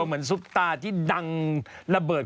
เหมือนซุปตาที่ดังระเบิด